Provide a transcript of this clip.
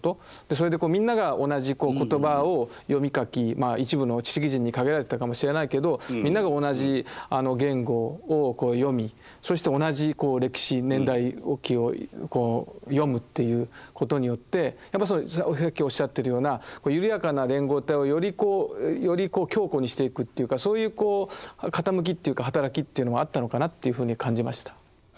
それでみんなが同じ言葉を読み書きまあ一部の知識人に限られてたかもしれないけどみんなが同じ言語を読みそして同じ歴史年代記を読むっていうことによってやっぱりさっきおっしゃってるような緩やかな連合体をよりこう強固にしていくっていうかそういうこう傾きっていうか働きというのもあったのかなというふうに感じました。